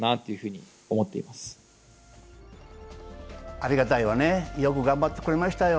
ありがたいわね、よく頑張ってくれましたよ。